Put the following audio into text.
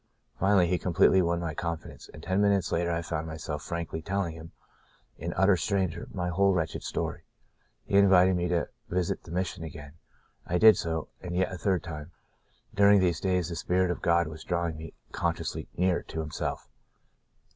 Finally he completely won my confidence, and ten minutes later I found myself frankly telling him — an utter stranger — my whole wretched story. He in vited me to visit the Mission again. I did so — and yet a third time. During these days the spirit of God was drawing me consciously nearer to Himself.